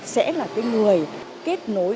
sẽ là cái người kết nối